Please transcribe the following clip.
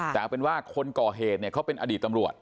แต่เอาเป็นว่าคนก่อเหตุเนี่ยเขาเป็นอดีตตำรวจ